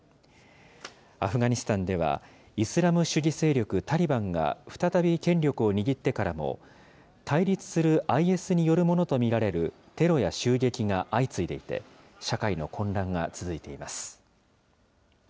アフガニスタンでは、イスラム主義勢力タリバンが再び権力を握ってからも、対立するＩＳによるものと見られるテロや襲撃が相次いでいて、社会の混乱が続いています。